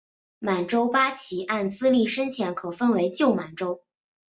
满洲八旗按资历深浅可分为旧满洲。